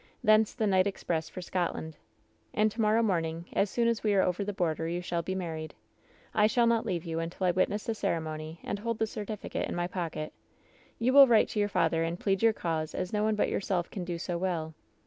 Thence the night express for Scotland. And to morrow morning, as soon as we are over the border, you shall be married. I shall not leave you until I witness the ceremony and hold the certificate in my pocket. You will write to your father and plead your cause as no one but yourself can do so well.